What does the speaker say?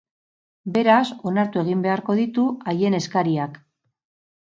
Beraz, onartu egin beharko ditu haien eskariak.